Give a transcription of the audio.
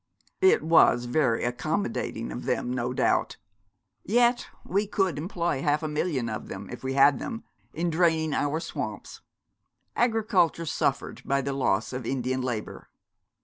'It was very accommodating of them, no doubt. Yet we could employ half a million of them, if we had them, in draining our swamps. Agriculture suffered by the loss of Indian labour.'